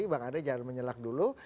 bang adel jangan menyalak dulu